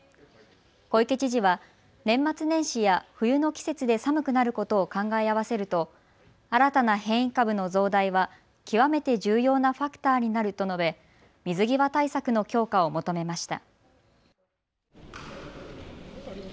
小池知事は年末年始や冬の季節で寒くなることを考え合わせると新たな変異株の増大は極めて重要なファクターになると述べ、水際対策の強化を求めました。